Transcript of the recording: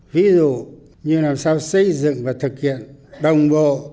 ví dụ như làm sao xây dựng và thực hiện đồng bộ